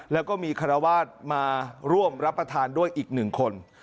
แล้วก็มีคารวาสมาร่วมรับประทานด้วยอีกหนึ่งคน